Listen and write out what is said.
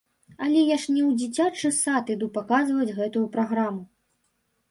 Але я ж не ў дзіцячы сад іду паказваць гэтую праграму.